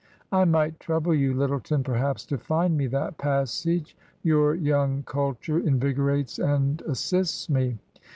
" I might trouble you, Lyttleton, perhaps, to find me that passage ? Your young culture invigorates and as sists me.